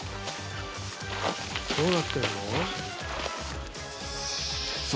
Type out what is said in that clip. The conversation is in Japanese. どうなってるの？